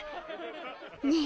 ねえ